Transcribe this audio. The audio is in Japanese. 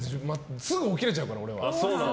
すぐ起きれちゃうから、俺は。